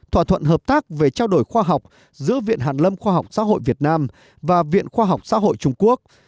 thỏa thuận hợp tác về trao đổi khoa học giữa viện hàn lâm khoa học xã hội việt nam và viện khoa học xã hội trung quốc